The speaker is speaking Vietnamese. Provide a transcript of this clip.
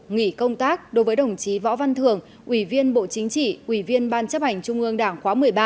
nghỉ công tác đối với đồng chí võ văn thường ủy viên bộ chính trị ủy viên ban chấp hành trung ương đảng khóa một mươi ba